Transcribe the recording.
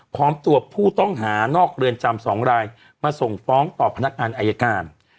พร้อมตัวผู้ต้องหานอกเรือนจำ๒รายมาส่งฟ้องต่อพนักงานอายการ